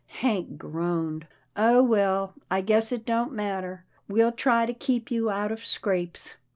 Hank groaned. " Oh well, I guess it don't matter. We'll try to keep you out of scrapes."